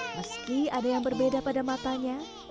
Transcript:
meski ada yang berbeda pada matanya